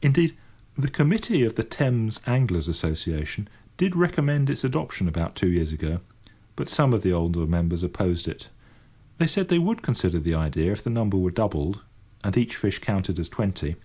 Indeed, the Committee of the Thames Angler's Association did recommend its adoption about two years ago, but some of the older members opposed it. They said they would consider the idea if the number were doubled, and each fish counted as twenty.